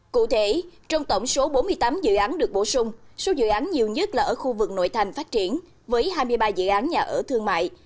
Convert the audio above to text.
cụ thể trong tổng số bốn mươi tám dự án được bổ sung số dự án nhiều nhất là ở khu vực nội thành phát triển với hai mươi ba dự án nhà ở thương mại